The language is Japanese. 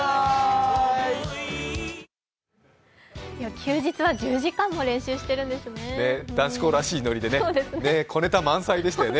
休日は１０時間も練習しているんですね。